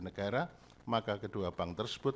negara maka kedua bank tersebut